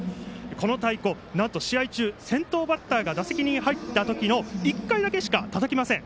この太鼓、なんと試合中先頭バッターが打席に入った時の１回だけしかたたきません。